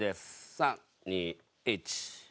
３２１。